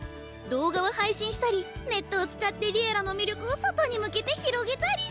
動画を配信したりネットを使って「Ｌｉｅｌｌａ！」の魅力を外に向けて広げたり！